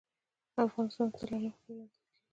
افغانستان د طلا له مخې پېژندل کېږي.